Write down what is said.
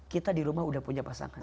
kita di rumah udah punya pasangan